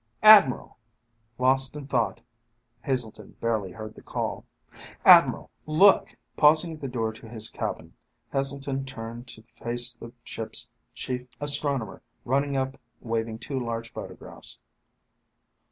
"Admiral!" Lost in thought, Heselton barely heard the call. "Admiral, look!" Pausing at the door to his cabin, Heselton turned to face the ship's chief astronomer running up waving two large photographs.